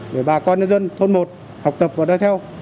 để bà con nhân dân thôn một học tập và nói theo